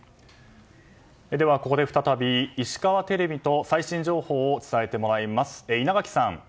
では、ここで再び石川テレビから最新情報を伝えてもらいます。